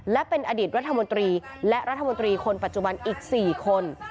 และเป็นอดีตรัฐมนตรีและรัฐมนตรีคนปัจจุบันอีก๔คน